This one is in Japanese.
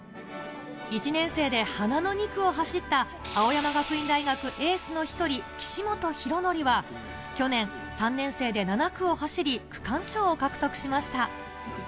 １年生で花の２区を走った青山学院大学、エースの１人、岸本大紀は、去年、３年生で７区を走り、区間賞を獲得しました。